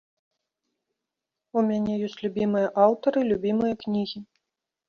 У мяне ёсць любімыя аўтары, любімыя кнігі.